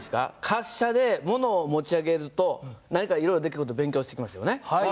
滑車でものを持ち上げると何かいろいろできる事を勉強してきましたよね。